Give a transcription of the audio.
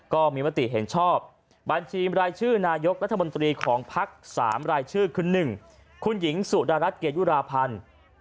ก็มีมติเห็นชอบบัญชีรายชื่อนายกรัฐมนตรีของพัก๓รายชื่อคือ๑คุณหญิงสุดารัฐเกยุราพันธ์